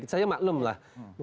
ini saya maklum lah